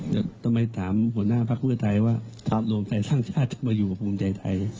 แต่ทำไมถามหัวหน้าพักเพื่อไทยว่ารวมไทยสร้างชาติจะมาอยู่กับภูมิใจไทย